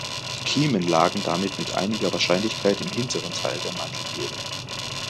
Die Kiemen lagen damit mit einiger Wahrscheinlichkeit im hinteren Teil der Mantelhöhle.